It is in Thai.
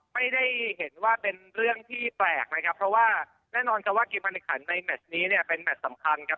ไม่ได้เห็นว่าเป็นเรื่องที่แปลกนะครับเพราะว่าแน่นอนจะว่ากิมพันธกรรมในแมตรนี้เนี่ยเป็นแมตรสำคัญครับ